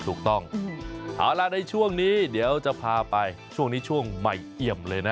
ถูกต้องเอาล่ะในช่วงนี้เดี๋ยวจะพาไปช่วงนี้ช่วงใหม่เอี่ยมเลยนะ